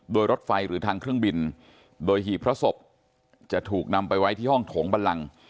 โดยรถไฟหรือทางเครื่องบินโดยหีบพระศพจะถูกนำไปไว้ที่ห้องโถงบันลัง